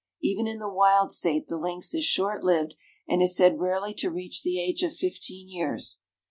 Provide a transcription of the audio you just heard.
Even in the wild state the lynx is short lived, and is said rarely to reach the age of fifteen years.